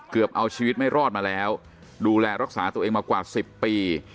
เอาชีวิตไม่รอดมาแล้วดูแลรักษาตัวเองมากว่า๑๐ปี